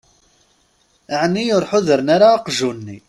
Ɛni ur ḥudren ara aqjun-nni?